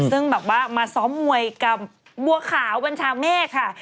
ซึ่งแบบว่ามาซ้อมมวยกับบัวขาวบัญชาเมฆค่ะ